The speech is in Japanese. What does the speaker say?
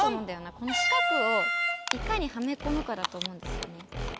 この四角をいかにはめ込むかだと思うんですよね。